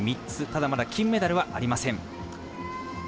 ただ、まだ金メダルはありません。